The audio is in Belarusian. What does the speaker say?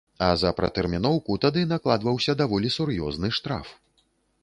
А за пратэрміноўку тады накладваўся даволі сур'ёзны штраф.